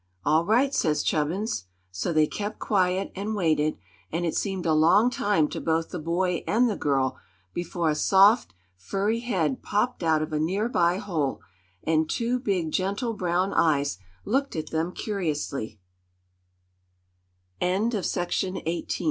"All right," says Chubbins. So they kept quiet and waited, and it seemed a long time to both the boy and the girl before a soft, furry head popped out of a near by hole, and two big, gentle brown eyes looked at them curiously. Chapter III Mr. Bowko, the Mayor "DEAR me!"